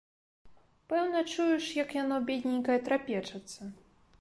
Пэўна чуеш, як яно, бедненькае, трапечацца.